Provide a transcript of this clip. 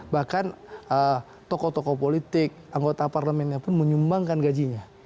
bahkan tokoh tokoh politik anggota parlemennya pun menyumbangkan gajinya